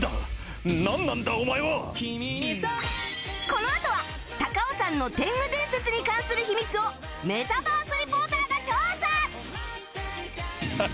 このあとは高尾山の天狗伝説に関する秘密をメタバース・リポーターが調査！